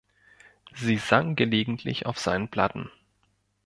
Sie sang gelegentlich auf seinen Platten.